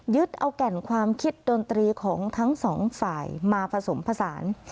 เอาแก่นความคิดดนตรีของทั้งสองฝ่ายมาผสมผสาน